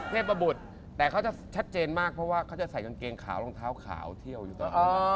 เทพบุตรแต่เขาจะชัดเจนมากเพราะว่าเขาจะใส่กางเกงขาวรองเท้าขาวเที่ยวอยู่ตลอด